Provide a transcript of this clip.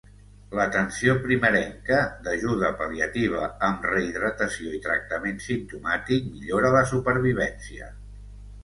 L'atenció primerenca d'ajuda pal·liativa amb rehidratació i tractament simptomàtic millora la supervivència.